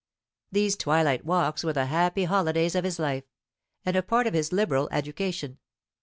These twilight walks were the happy holidays of his life, and a part of his liberal education.